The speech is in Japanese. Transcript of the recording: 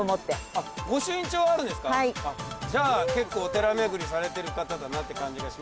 じゃあ結構お寺巡りされてる方だなって感じしますが。